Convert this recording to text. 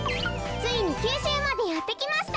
ついに九州までやってきました！